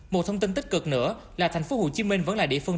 một thông tin tích cực nữa là thành phố hồ chí minh vẫn là địa phương